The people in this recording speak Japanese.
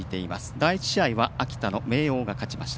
第１試合は秋田の明桜が勝ちました。